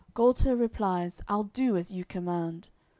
Gualter replies: "I'll do as you command."